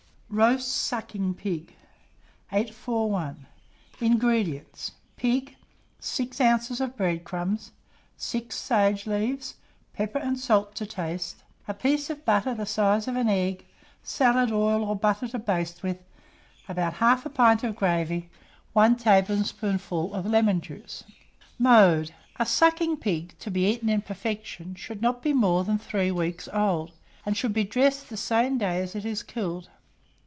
ROAST SUCKING PIG. 841. INGREDIENTS. Pig, 6 oz. of bread crumbs, 16 sage leaves, pepper and salt to taste, a piece of butter the size of an egg, salad oil or butter to baste with, about 1/2 pint of gravy, 1 tablespoonful of lemon juice. [Illustration: ROAST SUCKING PIG.] Mode. A sucking pig, to be eaten in perfection, should not be more than three weeks old, and should be dressed the same day that it is killed.